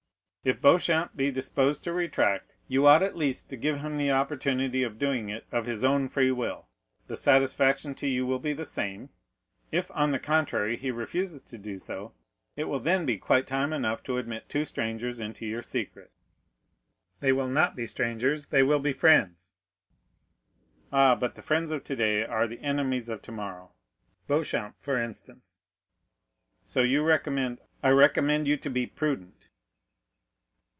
If Beauchamp be disposed to retract, you ought at least to give him the opportunity of doing it of his own free will,—the satisfaction to you will be the same. If, on the contrary, he refuses to do so, it will then be quite time enough to admit two strangers into your secret." "They will not be strangers, they will be friends." "Ah, but the friends of today are the enemies of tomorrow; Beauchamp, for instance." "So you recommend——" "I recommend you to be prudent."